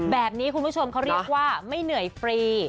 แบบนี้คุณผู้ชมเขาเรียกว่าไม่เหนื่อยฟรี